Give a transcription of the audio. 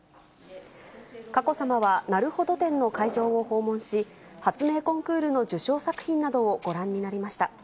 佳子さまはなるほど展の会場を訪問し、発明コンクールの受賞作品などをご覧になりました。